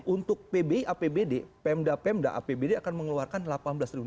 untuk pbi apbd pemda pemda apbd akan mengeluarkan rp delapan belas